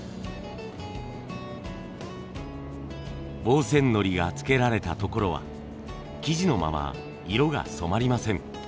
防染のりがつけられたところは生地のまま色が染まりません。